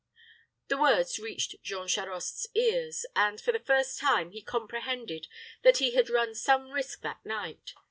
The words reached Jean Charost's ears, and, for the first time, he comprehended that he had run some risk that night.